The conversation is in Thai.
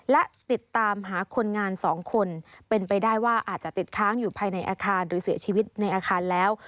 และติดตามหาคนงาน๒คนเป็นไปได้ว่าอาจจะติดค้างอยู่ภายในอาคารหรือเสียชีวิตในอาคารแล้ว